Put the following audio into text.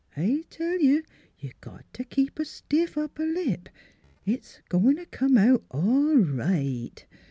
I tell you, you got t' keep a stiff upper lip. It's a goin' t' come out all right."